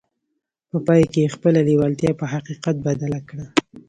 په پای کې يې خپله لېوالتیا په حقيقت بدله کړه.